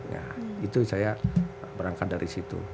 ya itu saya berangkat dari situ